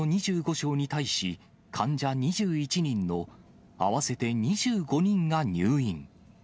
床に対し、患者２１人の合わせて２５人が入院。